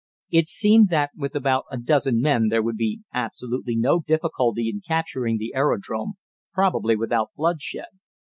It seemed that with about a dozen men there would be absolutely no difficulty in capturing the aerodrome, probably without bloodshed.